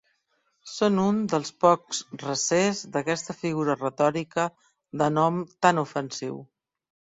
Són un dels pocs recers d'aquesta figura retòrica de nom tan ofensiu.